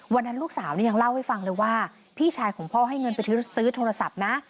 วันนั้นลูกสาวนี่ยังเล่าให้ฟังเลยว่าพี่ชายของพ่อให้เงินไปซื้อโทรศัพท์นะ